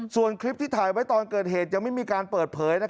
ส่วนคลิปที่ถ่ายไว้ตอนเกิดเหตุยังไม่มีการเปิดเผย